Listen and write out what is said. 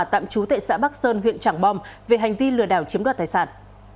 tạm chú tệ xã bắc sơn huyện trảng bom về hành vi lừa đảo chiếm đoạt tài sản